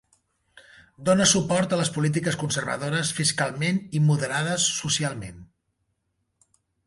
Dona suport a les polítiques conservadores fiscalment i moderades socialment.